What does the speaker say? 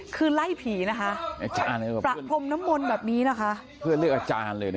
คือไล่ผีนะคะประพรมน้ำมนต์แบบนี้นะคะเพื่อเรียกอาจารย์เลยนะ